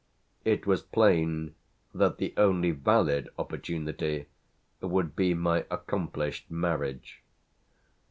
It was plain that the only valid opportunity would be my accomplished marriage.